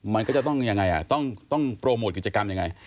มันก็จะต้องยังไงต้องโปรโมทกิจกรรมยังไง